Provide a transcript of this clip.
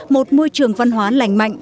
một môi trường văn hóa lành mạnh